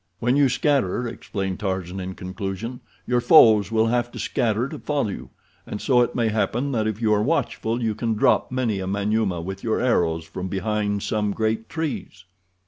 "When you scatter," explained Tarzan, in conclusion, "your foes will have to scatter to follow you, and so it may happen that if you are watchful you can drop many a Manyuema with your arrows from behind some great trees."